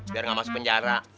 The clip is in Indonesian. biar gak masuk penjara